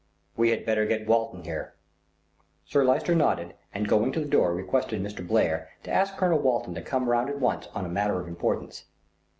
"We had better get Walton here." Sir Lyster nodded and going to the door requested Mr. Blair to ask Colonel Walton to come round at once on a matter of importance.